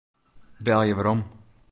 Belje werom.